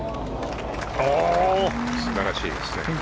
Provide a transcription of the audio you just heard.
素晴らしいですね。